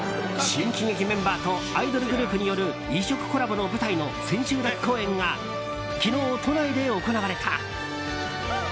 新喜劇メンバーとアイドルグループによる異色コラボの舞台の千秋楽公演が昨日、都内で行われた。